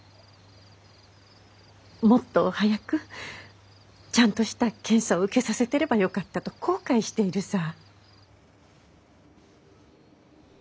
もっと早くちゃんとした検査を受けさせてればよかったと後悔しているさ。